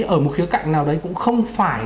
ở một khía cạnh nào đấy cũng không phải